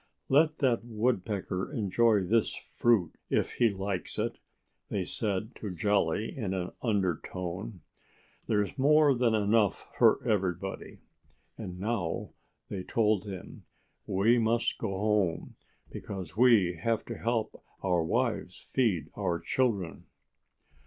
"Let that Woodpecker enjoy this fruit if he likes it," they said to Jolly in an undertone. "There's more than enough for everybody. And now," they told him, "we must go home, because we have to help our wives feed our children."